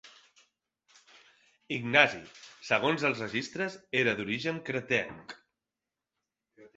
Ignasi, segons els registres, era d'origen cretenc.